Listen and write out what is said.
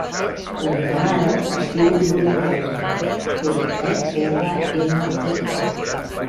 La meva mare es diu Luna Pernia: pe, e, erra, ena, i, a.